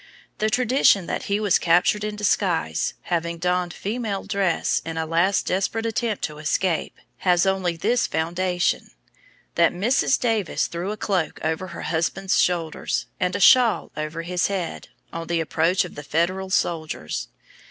The tradition that he was captured in disguise, having donned female dress in a last desperate attempt to escape, has only this foundation, that Mrs. Davis threw a cloak over her husband's shoulders, and a shawl over his head, on the approach of the Federal soldiers.